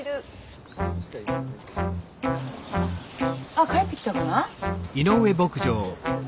あ帰ってきたかな？